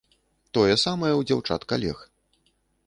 Тое самае ў дзяўчат-калег.